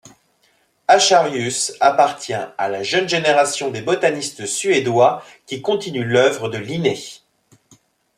Acharius appartient à la jeune génération des botanistes suédois qui continue l'œuvre de Linné.